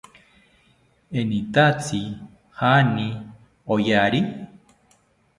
¿Enitatzi jaani oyari?